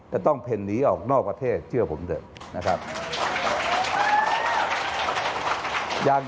จะต้องเพ่นหนีออกนอกประเทศเชื่อผมเถอะนะครับ